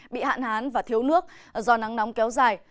bị hạn hán và thiếu nước do nắng nóng kéo dài